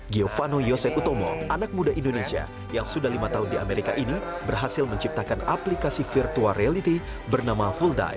giovano yosen utomo anak muda indonesia yang sudah lima tahun di amerika ini berhasil menciptakan aplikasi virtual reality bernama full dive